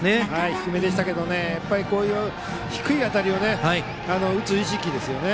低めでしたけどやっぱり低い当たりを打つ意識ですね。